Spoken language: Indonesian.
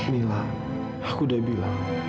mila aku udah bilang